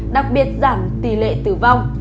đặc biệt giảm tỉ lệ tử vong